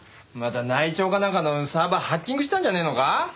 また内調かなんかのサーバーハッキングしたんじゃねえのか？